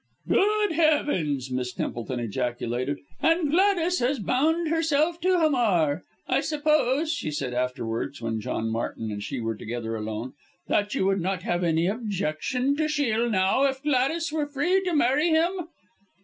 "Good heavens!" Miss Templeton ejaculated, "and Gladys has bound herself to Hamar! I suppose," she said afterwards, when John Martin and she were alone together, "that you would not have any objection to Shiel now, if Gladys were free to marry him."